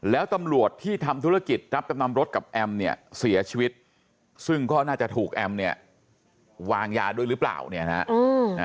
แล้วตำรวจที่ทำธุรกิจรับจำนำรถกับแอมเนี่ยเสียชีวิตซึ่งก็น่าจะถูกแอมเนี่ยวางยาด้วยหรือเปล่าเนี่ยนะฮะ